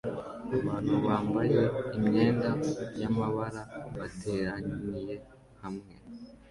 Abantu bambaye imyenda y'amabara bateraniye hamwe